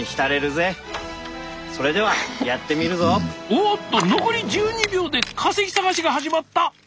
おっと残り１２秒で化石探しが始まった！